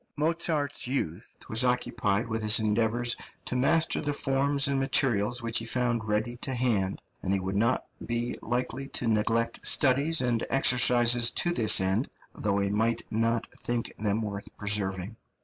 Mozart's youth was occupied with his endeavours to master the forms and materials which he found ready to hand, and he would not be likely to neglect studies and exercises to this end, though he might not think them worth preserving.